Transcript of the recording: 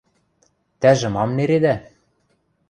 — Тӓжӹ мам нередӓ?